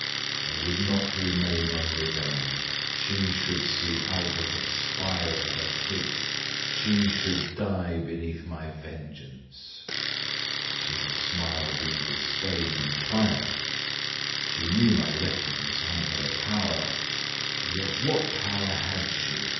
I would not remain unrevenged she should see Albert expire at her feet she should die beneath my vengeance. She had smiled in disdain and triumph she knew my wretchedness and her power. Yet what power had she?